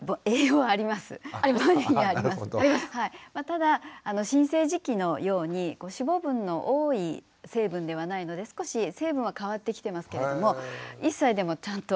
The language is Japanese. ただ新生児期のように脂肪分の多い成分ではないので少し成分は変わってきてますけれども１歳でもちゃんと。